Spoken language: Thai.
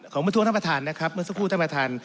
ของเมื่อสักครู่ท่านประธานนะครับเมื่อสักครู่ท่านประธาน